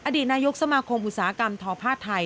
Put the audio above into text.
อดีตนายกสมาคมอุตสาหกรรมฐอภาษณ์ไทย